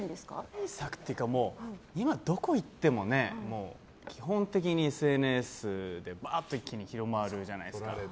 対策というか今、どこに行っても基本的にＳＮＳでバーッて一気に広まるじゃないですか。